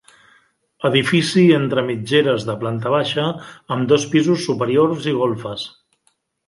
Edifici entre mitgeres de planta baixa, amb dos pisos superiors i golfes.